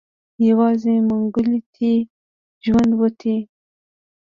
يوازې منګلی تې ژوندی وتی.